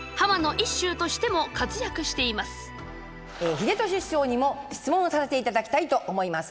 秀敏師匠にも質問をさせていただきたいと思います。